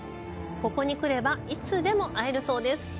ここに来ればいつでも会えるそうです。